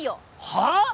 はあ！？